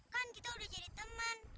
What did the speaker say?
kan kita udah jadi teman